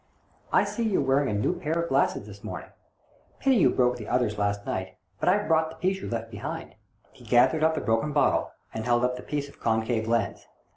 I see you're wearing a new pair of glasses this morning ; pity you broke the others last night, but I've brought the piece you left behind." He gathered up the broken bottle, and held up the piece of concave lens.